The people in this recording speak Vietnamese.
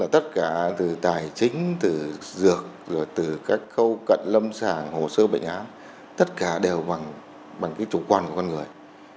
tất cả từ tài chính từ dược từ các câu cận lâm sản hồ sơ bệnh án tất cả đều bằng chủ quan của con người